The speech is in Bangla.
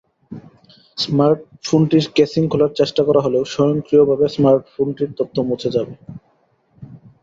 স্মার্টফোনটির কেসিং খোলার চেষ্টা করা হলেও স্বয়ংক্রিয়ভাবে স্মার্টফোনটির তথ্য মুছে যাবে।